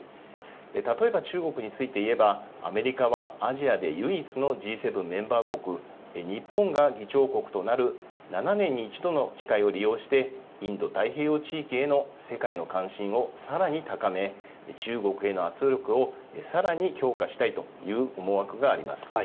例えば中国について言えば、アメリカはアジアで唯一のＧ７メンバー国、日本が議長国となる７年に１度の機会を利用して、インド太平洋地域への世界の関心をさらに高め、中国への圧力をさらに強化したいという思惑があります。